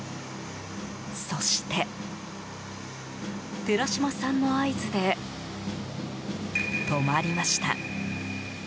そして、寺島さんの合図で止まりました。